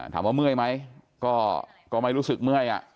ถามว่าเมื่อยไหมก็ไม่รู้สึกเมื่อยอ่ะ